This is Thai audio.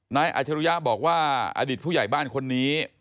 นายอาชารุย้าบอกว่าอดิษฐ์ผู้ใหญ่บ้านคนนี้